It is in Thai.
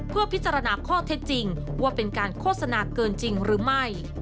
เพื่อพิจารณาข้อเท็จจริงว่าเป็นการโฆษณาเกินจริงหรือไม่